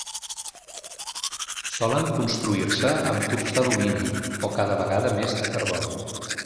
Solen construir-se amb tubs d'alumini, o cada vegada més de carboni.